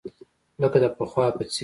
لکه د پخوا په څېر.